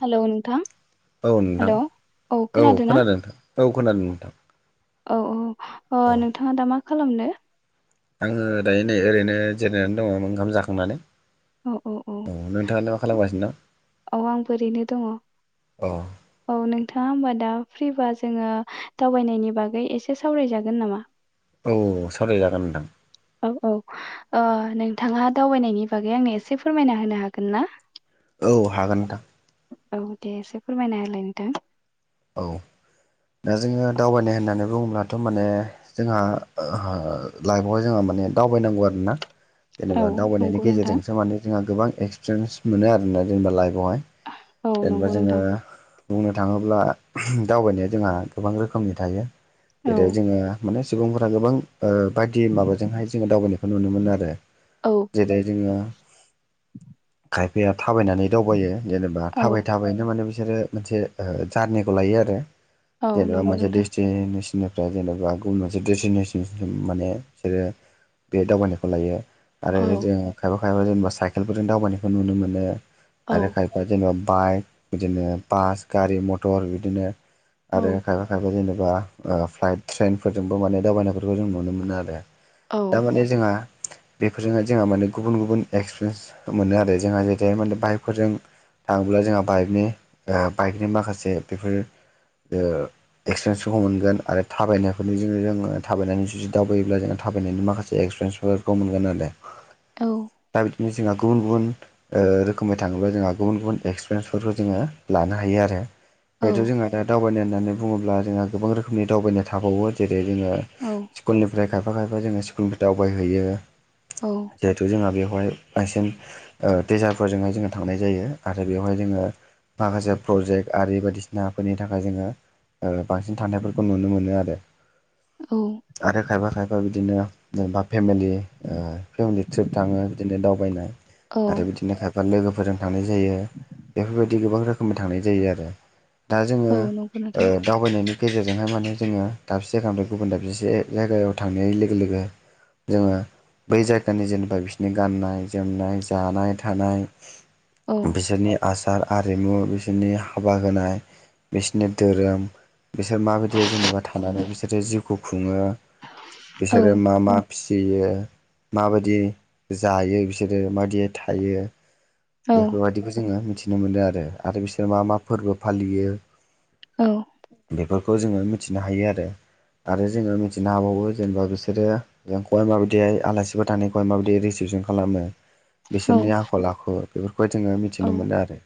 Hello नोंथां औ नोंथां हेलौ औ खोनादों नोंथां औ खोनादों नोंथां औ औ ओ नोंथाङा दा मा खालामनो? आङो दायो नै ओरैनो जिरायनानै दङ ओंखाम जाखांनानै औ नोंथाङा दा मा खालामगासिनो दं औ आंबो ओरैनो दङ अह औ नोंथाङा होमबा दा फ्रिबा जोङो दावबायनायनि बागै एसे सावरायजागोन नामा? औ सावरायजागोन नोंथां ओम औ ओह नोंथाङा दावबायनायनि बागै आंनो एसे फोरमायना होनो हागोन ना? औ हागोन नोंथां औ दे एसे फोरमायनाहोलाय नोंथां। औ दा जोङो दावबायनाय होननानै बुङोब्लाथ' माने जोंहा ओह लाइफआवहाय जोंहा माने दावबायनांगौ आरोना औ जेनेबा दावबायनायनि नंगौ नोंथां गेजेरजोंसो माने जोंहा गोबां एक्सप्रेन्स मोनो आरोना जेनेबा लाइफआवहाय। औ जेनबा नंगौ जोङो नोंथां बुंनो थाङोब्ला दावबायनाया जोंहा गोबां रोखोमनि थायो जेरै औ जोङो माने सुबुंफोरा गोबां ओ बायदि माबाजोंहाय जोङो दावबायनायखौ नुनो मोनो आरो औ जेरै जोङो खायफाया थाबायनानै दावबायो जेनेबा औ थाबाय थाबायनो माने बिसोरो मोनसे ओह जारनिखौ लायो आरो औ जेनेबा नंगौ मोनसे नोंथां दिस्ति नेसननिफ्राय जेनबा गुबुन मोनसे देस्टिनेसनसिम माने बिसोरो बे दावबायनायखौ लायो। आरो औ जों खायफा खायफा जेनेबा साइकेलफोरजों दावबायनायखौ नुनो मोनो औ आरो खायफ दा जेनेबा बाइक बिदिनो बास गारि मथर बिदिनो औ आरो खायफा खायफा जेनेबा ओह फ्लाइट ट्रेनफोरजोंबो माने दावबायनायफोरखौ जों नुनो मोनो आरो औ दामाने जोंहा बेफोरजोंहाय जोंहा माने गुबुन गुबुन एक्सप्रेन्स मोनो आरो जोंहा जेरैहाय माने बाइकफोरजों थाङोब्ला जोंहा बाइकनि ओ बाइकनि माखासे बेफोर ओह एक्सप्रेन्सफोरखौ मोनगोन आरो थाबायनायफोरनिजोंनो जोङो थाबायनानै जुदि दावबायोब्ला जोङो थाबायनायनि माखासे एक्सप्रेन्स वेदखौ मोनगोन आरो औ दा बिदिनो जोंहा गुबुन गुबुन ओ रोखोमै थाङोब्ला जोंहा गुबुन गुबुन एक्सप्रेन्सफोरखौ जोङो लानो हायो आरो। बेथ' जोंहा दा दावबायनाय होननानै बुङोब्ला जोंहा गोबां रोखोमनि दावबायनाय थाबावो जेरै जोङो औ स्कुनिफ्राय खायफा खायफा जोङो स्कुलनिफाय दावबायहैयो औ जेहेथु जोंहा बेवहाय बांसिन ओ तिचारफोरजोंहाय जोङो थांनाय जायो आरो बेवहाय जोङो माखासे प्रजेक्ट आरि बायदिसिना नाफोरनि थाखाय जोङो ओह बांसिन थांनायफोरखौ नुनो मोनो आरो औ आरो खायफा खायफा बिदिनो अबा फेमेलि ओह फेमिलि ट्रिप थाङो बिदिनो दावबायनाय औ आरो बिदिनो खायफ बा लोगोफोरजों थांनाय जायो बेफोरबायदि गोबां रोखोमनि थांनाय जायो आरो। दा जोङो औ नंगौ ओ नोंथां दावबायनायनि गेजेरजोंहाय माने जोङो दाबसे जायगानिफ्राय गुबुन दाबसे जायगायाव थांनाय लोगो लोगो जोङो बै जायगानि जेनेबा बिसनि गाननाय जोमनाय जानाय थानाय औ बिसोरनि आसार आरिमु बिसोरनि हाबा होनाय बिसोरनि धोरोम बिसोर माबायदि जेनेबा थानानै बिसोरो जिउखौ खुङो औ बिसोरो मा मा फिसियो माबायदि जायो बिसोरो माबायदि थायो औ बेफोरबायदिखौ जोङो मिथिनो मोनो आरो आरो बिसोर मा-मा फोरबो फालियो औ बेफोरखौ जोङो मिथिनो हायो आरो आरो जोङो मिथिनो हाबावो जेनेबा बिसोरो जोंखौहाय माबायदिहाय आलासिफोर थानायखौहाय माबायदि रिसिपसन खालामो औ बिसोरनि आखल आखु बेफोरखौहाय जोङो औ मिथिनो मोनो आरो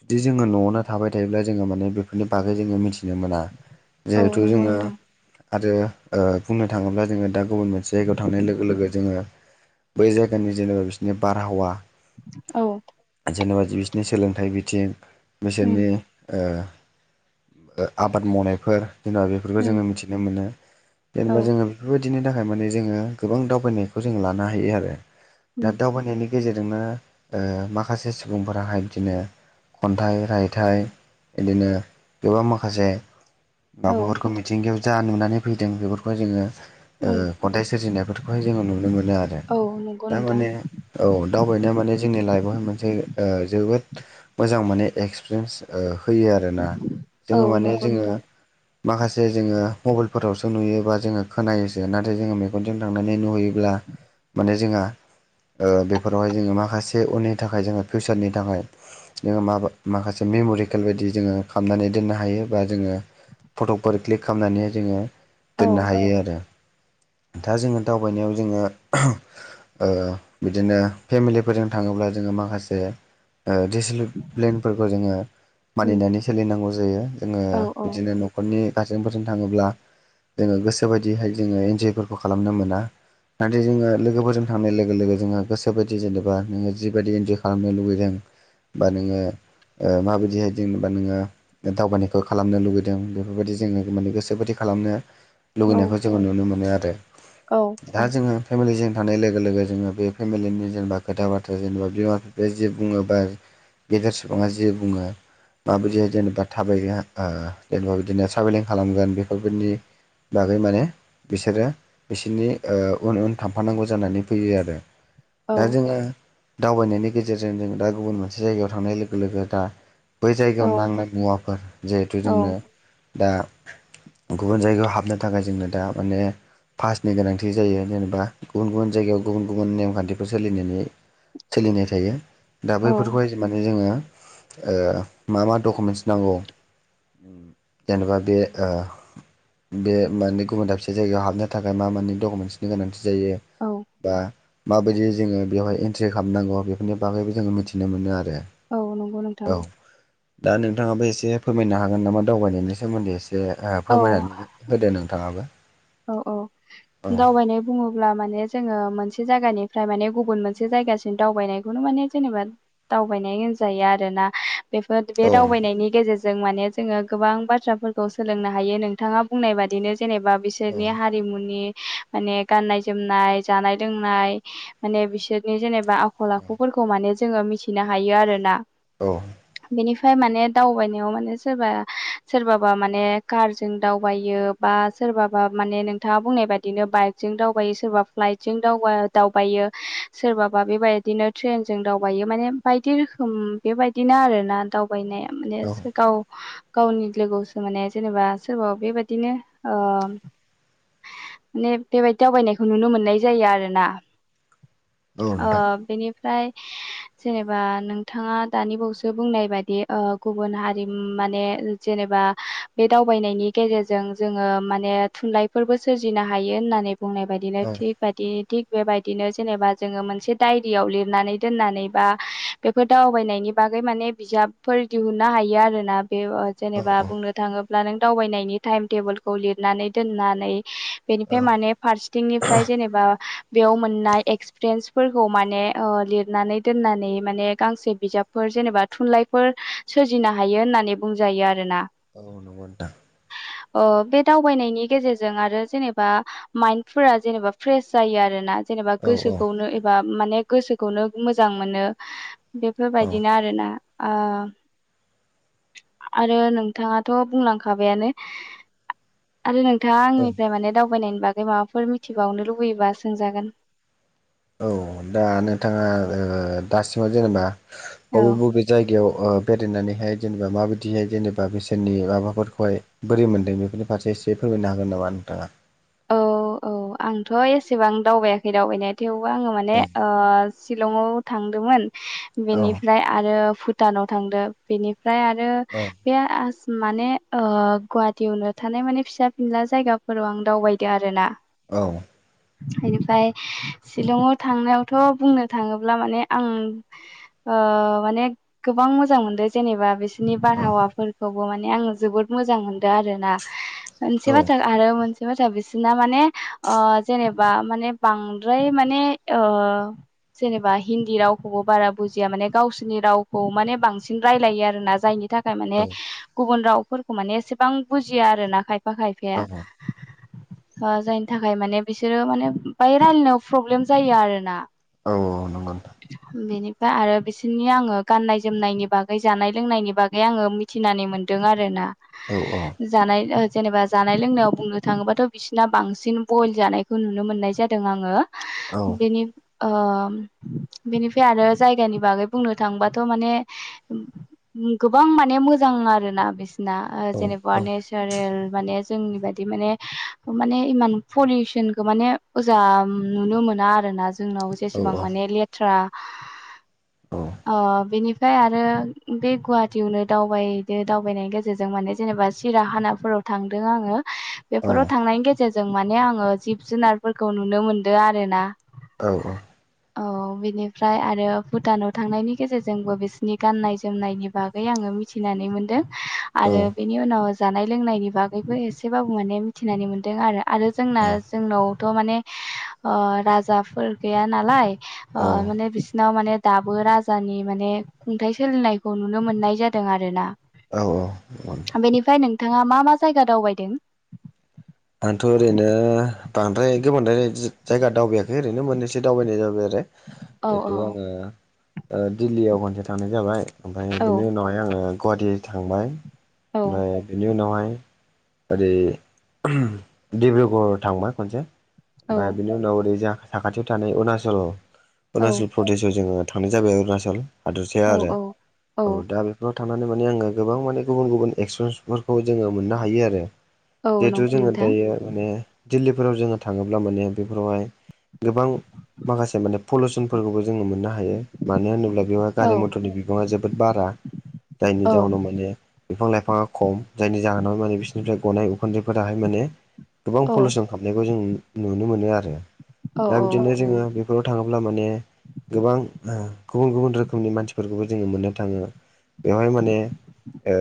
जुदि जोङो न'आवनो थाबाय थायोब्ला जोङो माने बेफोरनि बागै जोङो मिथिनो मोना औ जिहेथु नंगौ जोङो नोंथां आरो ओ बुंनो थाङोब्ला जोङो दा गुबुन मोनसे जायगायाव थांनाय लोगो-लोगो जोङो बै जायगानि जेनेबा बिसनि बारहावा औ जेनेबा बिसोरनि सोलोंथाइ बिथिं उम बिसोरनि ओ ओ‌ आबाद मावनायफोर जेन'बा बेफोरखौ उम जोङो मिथिनो मोनो औ जेनेबा जोङो बेफोरबायदिनि थाखाय माने जोङो गोबां दावबायनायखौ जों लानो हायो आरो। दा उम दावबायनायनि गेजेरजोंनो ओ माखासे सुबुंफोराहाय बिदिनो खन्थाइ रायथाइ बिदिनो गोबां माखासे औ बाबुफोरखौ मिथिंगायाव जा नुनानै फैदों बेफोरखौ जोङो ओ उम खन्थाइ सोरजिनायफोरखौहाय जोङो नुनो मोनो आरो। औ नंगौ नोंथां थारमाने औ दावबायनाया माने जोंनि लाइफआवहाय मोनसे ओ जोबोद मोजां माने एक्सपिरियेन्स ओ होयो आरोना औ जोङो माने नंगौ जोङो नोंथां माखासे जोङो मबाइलफोरावसो नुयोबा जोङो खोनायोसो नाथाय जोङो मेगनजों थांनानै नुहैयो अब्ला माने जोंहा ओ बेफोरावहाय जोङो माखासे उननि थाखाय जोङो फिउसारनि थाखाय जोङो मा माखासे मेम'रि सकेल बायदि जोङो खालामनानै दोननो हायो बा जोङो फट'फोर क्लिक खालामनानै जोङो औ दोननो हायो आरो दा जोङो दावबायनायाव जोङो ओ बिदिनो फेमिलिफोरजों थाङोब्ला जोङो माखासे ओ डिसिप्लेनफोरखौ जोङो उम मानिनानै सोलिनांगौ जायो जोङो औ औ बिदिनो न'खरनि गारजेनफोरजों थाङोब्ला जोङो गोसोबायदिहाय जोङो इन्जयफोरखौ खालामनो मोना। नाथाय जोङो लोगोफोरजों थांनाय लोगो-लोगो जोङो गोसोबायदि जेनेबा नोङो जिबायदि इन्जय खालामनो लुबैदों। बा नोङो ओ माबायदिहाय जेनबा नोङो दावबायनायखौ खालामनो लुगैदों बेफोरबायदि जोङो माने गोसोबायदि खालामनो औ लुगैनायखौ जोङो नुनो मोनो आरो। औ। दा जोङो फेमिलिजों थानाय लोगो-लोगो जोङो बे फेमिलिनि जेनेबा खोथा बाथ्रा जेनेबा बिमा-बिफा बे जे बुङो बा गेजेर सुबुङा जे बुङो माबायदि जेनेबा थाबायगोन ओ जेनेबा बिदिनो ट्राभेलिं खालामगोन बेफोरफोरनि बागै माने बिसोरो बिसोरनि ओ उन-उन थांफानांगौ जानानै फैयो आरो, औ दा जोङो दावबायनायनि गेजेरजों जों दा गुबुन मोनसे जायगायाव थांनाय लोगो-लोगो दा बै औ जायगायाव नांनाय मुवाफोर जिहेथु जोंनो दा गुबुन जायगायाव हाबनो थाखाय जोंनो दा माने पासनि गोनांथि जायो जेनेबा गुबुन-गुबुन जायगायाव गुबुन-गुबुन नेमखान्थिफोर सोलिनानै सोलिनाय थायो दा औ बैफोरखौहाय माने जोङो ओ मा-मा डकुमेन्टस नांगौ? जेनेबा बे ओ बे माने गुबुन दाबसे जायगायाव हाबनो थाखाय मा मानि डकुमेन्टसनि गोनांथि जायो। औ बा माबायदि जोङो बेवहाय एन्ट्रि खालामनांगौ बेफोरनि बागैबो जोङो मिथिनो मोनो आरो। औ नंगौ नोंथां। औ दा नोंथाङाबो एसे फोरमायनो हागोन नामा? दावबायनायनि सोमोन्दै एसे औ फोरमायनानै होदो नोंथाङाबो औ औ औ दावबायनाय बुङोब्ला माने जोङो मोनसे जायगानिफ्राय माने गुबुन मोनसे जायगासिम दावबायनायखौनो माने जेनेबा दावबायनाय होनजायो आरोना बेफोर बे दावबायनायनि गेजेरजों जों माने जोङो गोबां बाथ्राफोरखौ सोलोंनो हायो नोंथाङा बुंनाय बादिनो जेनेबा औ बिसोरनि हारिमुनि माने गाननाय जोमनाय जानाय लोंनाय माने बिसोरनि जेनेबा आखल औ आखुफोरखौ माने जोङो मिथिनो हायो आरोना। औ। बेनिफ्राय माने दावबायनायाव माने सोरबा सोरबाबा माने कारजों दावबायो बा सोरबा माने नोंथाङा बुंनाय बायदिनो बाइकजों दावबायो सोरबा फ्लाइटजों दावबायो सोरबाबा बेबायदिनो ट्रेनजों दावबायो माने बायदि रोखोम बेबायदिनो आरो ना दावबायनाया माने औ गाव गावनि लोगोआवसो माने जेनेबा सोरबा बेबायदिनो ओ माने बेबायदि दावबायनायखौ नुनो मोननाय जायो आरो ना। ओ नोंथां बेनिफ्राय जेनेबा नोंथाङा दानि बावसो बुंनाय बायदि ओ गुबुन हारिम माने जेनेबा बे दावबायनायनि गेजेरजों जोङो माने थुनलाइफोरबो सोरजिनो हायो होननानै बुंनाय बायदिनो औ थिग बादि थिग बेबायदिनो जेनेबा जोङो मोनसे डायरियाव लिरनानै दोननानै बा बेफोर दावबायनायनि बागै माने बिजाबफोर दिहुननो हायो आरोना बे ओ औ जेनेबा औ बुंनो थाङोब्ला नों दावबायनायनि टाइम टेबोलखौ लिरनानै दोननानै औ बेनिफ्राय माने फारसेथिंनिफ्राय जेनेबा बेयाव मोननाय एक्स पेरेन्सफोरखौ माने ओ लिरनानै दोननानै माने गांसे बिजाबफोर जेनेबा थुनलाइफोर सोरजिनो हायो होननानै बुंजायो आरोना औ नंगौ नोंथां ओ बे दावबायनायनि गेजेरजों आरो जेनेबा माइन्दफोर जेनेबा फ्रेस जायो आरोना जेनेबा औ औ गोसोखौनो बा माने गोसोखौनो मोजां मोनो औ बेफोरबायदिनो आरोना ओ आरो नोंथाङाथ' बुंलांखाबायानो आरो नों थाङा औ आंनिफ्राय माने दावबायनायनि बागै माबाफोर मिथिबावनो लुबैयोबा सोंजागोन औ दा नोंथाङा ओ दासिमाव जेनेबा औ बबे बबे जायगायाव ओ बेरायनानैहाय जेनेबा माबायदिहाय जेनेबा बिसोरनि माबाफोरखौहाय बोरै मोनदों बेफोरनि फारसे एसे फोरमायनो हागोन नामा नोंथाङा औ औ आंथ' एसेबां दावबायाखै दावबायनाया थेवबो आङो माने औ ओ सिलंआव थांदोंमोन औ बेनिफ्राय आरो भुटानाव थांदों बेनि फ्राय आरो औ बे ओस माने ओ गुवाहाटियावनो थानाय माने फिसा फिनला जायगाफोराव आं दावबाय दो आरोना। औ इनिफ्राय सिलंआव थांनायावथ' बुंनो थाङोब्ला माने आं ओ माने गोबां मोजां मोनदों जेनेबा बिस नि औ बारहावाफोरखौबो माने आङो जोबोद मोजां मोनदों आरोना औ मोनसे बाथ्रा आरो मोनसे [unintelligible] ना माने ओ जेनेबा माने बांद्राय माने ओ जेनेबा हिन्दी रावखौबो बारा बुजिया माने गावसोरनि रावखौ माने बांसिन रायलायो आरोना जायनि था गाय माने गुबुन रावफोरखौ माने एसेबां बुजिया आरो ना खायफा औ खायफाया औ ओ जायनि थाखाय माने बिसोरो माने बाय रायलायनायाव प्रब्लेम जायो आरो ना। औ औ नंगौ नोंथां। बेनिफ्राय आरो बिसोरनि आङो गाननाय जोमनायनि बागै जानाय लोंनायनि बागै आङो मि थिनानै मोन्दों आरो ना। औ औ जानाय ओ जेनेबा जानाय लोंनायाव बुंनो थाङोबाथ' बिसिना बांसिन बयल जानायखौ नुनो मोननाय जादों आङो औ बेनि ओ‌ बेनिफाय आरो जायगानि बागै बुंनो थांबाथ' माने गोबां माने मोजां आरोना बिस ना ओ जेनेबा नेचारेल माने जोंनि बायदि माने माने इमान पलिउसनखौ माने ओजा नुनो मोना आरोना। जोंनाव औ जेसेबां माने लेथ्रा ओ‌ बेनि फ्राय आरो बे गुवाहाटियावनो दावबायदो दावबायनायनि गेजेरजों माने जेनेबा सिराखानाफोराव थांदों आङो औ बेफोराव थांनायनि गेजेरजों माने आङो जिब जुनारफोरखौ नुनो मोनदों आरो ना औ औ औ बेनिफ्राय आरो भुटानाव थांनायनि गेजेरजोंबो बिसिनि गाननाय जोमनायनि। बागै आंङो मिथिनानै मोनदों। आरो बेनि उनाव जानाय लोंनायनि बागैबो एसे बाबु माने मिथिनानै मोनदों आरो आरो जोंना। जोंनावथ' माने ओ‌ राजाफोर गैया नालाय अ माने बिसिना माने दाबो राजानि माने खुंथाइ सोलिनायखौ नुनो मोननाय जादों आरो ना औ औ बेनिफ्राय नोंथांङा मा मा जायगा दावबायदों। आंथ' ओरैनो बांद्राय गोबां जायगा दावबाययाखै ओरैनो मोननैसो दावबायनाय जाबाय आरो औ जिथु आंङो दिल्लीयाव खनसे थांनाय जाबाय ओमफ्राय औ बिनि उनावहाय आःङो गुवाटि थांबाय। औ ओमफाय बिनि उनावहाय ओरै डिब्रुगर थांबाय खनसे औ ओमफ्राय बिनि उनाव ओरै जा साखाथियाव थानाय अरुणाचल औ अरुणाचल प्रदेशआव जोङो थांनाय जाबाय अरुणाचल हादरसाया औ आरो औ औ दा बे बेयाव थांनानै माने आंङो गोबां माने गुबुन गुबुन एक्सपिरियेन्सफोरखौ जोंङो मोननो हायो आरो औ जिहेथु नंगौ जोंङो नोंथां दायो माने दिल्लीफोराव जोंङो थाङोब्ला माने बेफोरावहाय गोबां माखासे माने पलिसनफोरखौबो जोंङो मोननो हायो। हायो मानो होनोब्ला बेयावाय औ गारि मथरनि बिबांङा जोबोद बारा जायनि औ जाउनाव माने बिफां लाइफाङा खम जायनि जाहोनावहाय माने बिसोरनिफ्राय गनाय उखुन्दैफोराहाय माने गोबां औ पलिउसन हाबनायखौ जों नुनो मोनो आरो औ दा बिदिनो जोंङो बे बेवाव थाङोब्ला माने गोबां गुबुन गुबन रोखोमनि मानसि बेफोरखौबो जोङो मोननो थांङो बेवहाय माने ओ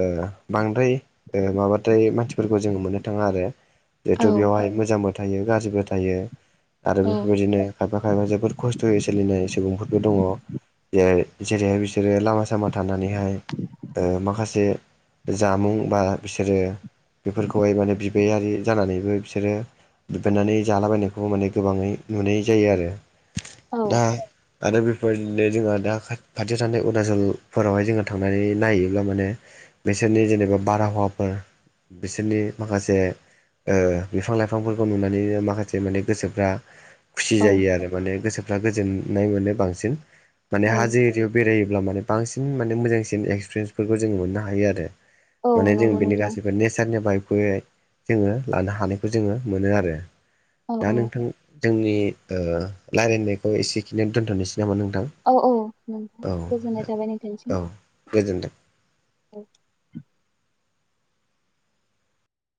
बांद्राय ओ माबाथाय मानसिफोरखौ जोंङो मोननो थांङा आरो औ जिहेथु बेवहाय मोजांबो थायो गाज्रिबो थायो। आरो बेफोरबायदिनो खायफा खायफा जोबोद खस्थ'यै सोलिनाय सुबुंफोरबो दङ' जे जेरैहाय बिसोरो लामा सामा थानानैहाय ओ‌ माखासे जामुं बा बिसोरो बेफोरखौहाय माने बिबायारि जानानैबो बिसोरो बिबायनानै जालाबायनायखौ माने गोबाङै नुनाय जायो आरो औ दा आरो बेफोरदिनो जोंहा दा खा खाथियाव थानाय अरुणाचलफोरावहाय जोंङो थांनानै नायोब्ला माने बिसोरनि जेनेबा बारहावाफोर बिसोरनि माखासे ओ बिफां लाइफांफोरखौ नुनानैनो माखासे माने गोसोफ्रा खुसि जायो आरो माने गोसोफ्रा गोजोननाय मोनो बांसिन औ माने हाजो एरियायाव बेरायोब्ला माने बांसिन माने मोजांसिन एक्सपिरियेन्सफोरखौ जोंङो मोननो हायो आरो औ माने जों नंगौ बेनि नोंथां गासैबो नेचारनिफायबो जोंङो लानो हानायखौ जोङो मोनो आरो औ दा औ नोंथां जोंनि ओ रायजलायनायखौ एसेखिनियाव दोन्थ'नोसै नामा नोंथां? औ औ नोंथां औ गोजोननाय थाबाय औ नोंखसिम गोजोन्थों औ।